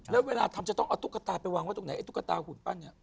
แล้วเวลาทำจะต้องเอาตุ๊กตาไปวางไว้ตรงไหนไอตุ๊กตาหุ่นปั้นเนี่ย